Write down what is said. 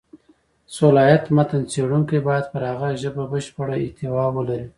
صلاحیت: متن څېړونکی باید پر هغه ژبه بشېړه احتوا ولري.